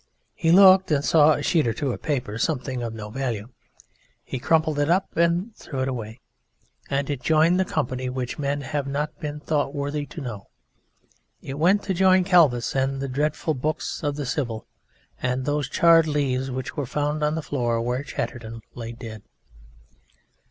He looked and saw a sheet or two of paper something of no value. He crumpled it up and threw it away, and it joined the company which men have not been thought worthy to know. It went to join Calvus and the dreadful books of the Sibyl, and those charred leaves which were found on the floor where Chatterton lay dead.